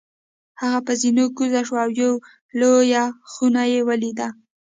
هغه په زینو کوز شو او یوه لویه خونه یې ولیده.